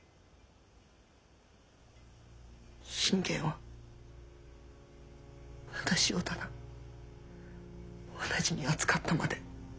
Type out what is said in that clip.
信玄は私をただ同じに扱ったまで。